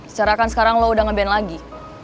secara akan sekarang lo udah nge ban lagi